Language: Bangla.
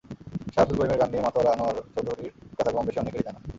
শাহ আবদুল করিমের গান নিয়ে মাতোয়ারা আনোয়ার চৌধুরীর কথা কমবেশি অনেকেরই জানা।